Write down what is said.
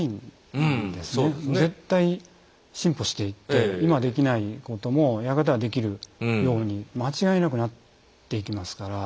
絶対進歩していって今できないこともやがてはできるように間違いなくなっていきますから。